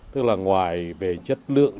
tức là ngoài về chất lượng